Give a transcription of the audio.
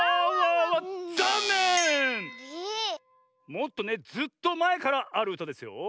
もっとねずっとまえからあるうたですよ。